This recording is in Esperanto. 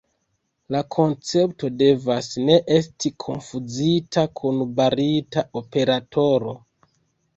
La koncepto devas ne esti konfuzita kun barita operatoro.